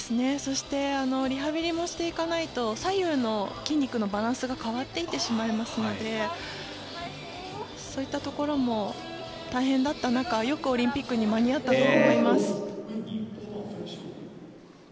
リハビリもしていかないと左右の筋肉のバランスが変わっていってしまうのでそういったところも大変だった中よくオリンピックに間に合ったと思います。